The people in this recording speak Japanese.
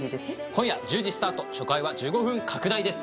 今夜１０時スタート初回は１５分拡大です